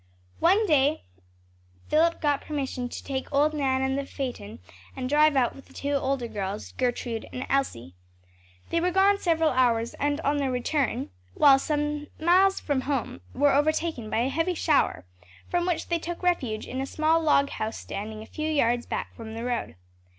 One day Philip got permission to take old Nan and the phaeton and drive out with the two older girls, Gertrude and Elsie. They were gone several hours and on their return, while still some miles from home were overtaken by a heavy shower, from which they took refuge in a small log house standing a few yards back from the road.